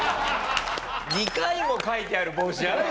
２回も書いてある帽子ある！？